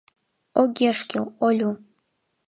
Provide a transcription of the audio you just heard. — Огеш кӱл, Олю.